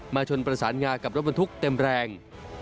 ชนประสานงากับรถบรรทุกเต็มแรง